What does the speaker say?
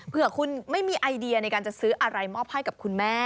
เพื่อคุณไม่มีไอเดียในการจะซื้ออะไรมอบให้กับคุณแม่